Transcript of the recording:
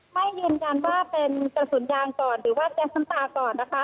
ไม่ยืนยันว่าเป็นกระสุนยางก่อนหรือว่าแก๊สน้ำตาก่อนนะคะ